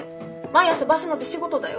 毎朝バス乗って仕事だよ。